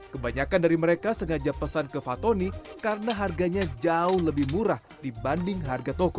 kebanyakan dari mereka sengaja pesan ke fatoni karena harganya jauh lebih murah dibanding harga toko